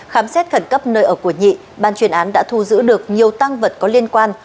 khám xét khẩn cấp nơi ở của nhị ban chuyên án đã thu giữ được nhiều tăng vật có liên quan